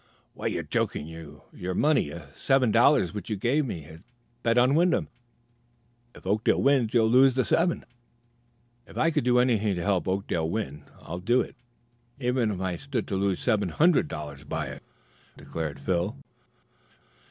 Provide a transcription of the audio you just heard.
"Why, you're joking! Your money, seven dollars which you gave me, is bet on Wyndham. If Oakdale wins you lose the seven." "If I could do anything to help Oakdale win, I'd do it, even if I stood to lose seven hundred dollars by it," declared Phil.